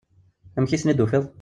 Amek i ten-id-tufiḍ?